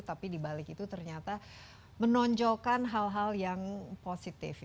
tapi dibalik itu ternyata menonjolkan hal hal yang positif